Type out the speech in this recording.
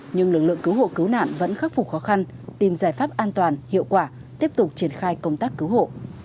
nhưng lực lượng cứu hộ cứu nạn vẫn khắc phục khó khăn tìm giải pháp an toàn hiệu quả tiếp tục triển khai công tác cứu hộ